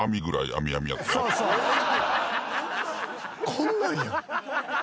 こんなんやん。